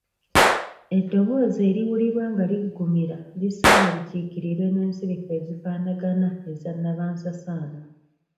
Eddoboozi eriwulirwa nga liggumira lisaanye likiikirirwe n’ensirifu ezifaanagana eza nnabansasaana.